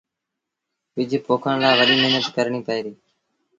ٻج پوکڻ لآ وڏيٚ مهنت ڪرڻيٚ پئي ديٚ